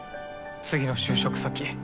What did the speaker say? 次の就職先。